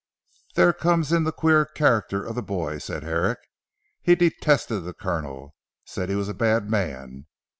"There comes in the queer character of the boy," said Herrick "he detested the Colonel said he was a bad man.